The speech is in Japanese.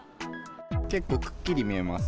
結構、くっきり見えます。